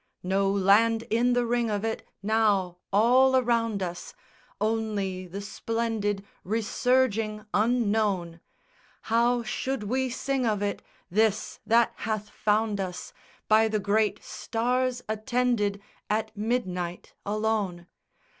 No land in the ring of it Now, all around us Only the splendid Re surging unknown; How should we sing of it, This that hath found us By the great stars attended At midnight, alone?